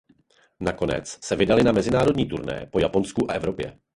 Nakonec se vydali na mezinárodní turné po Japonsku a Evropě.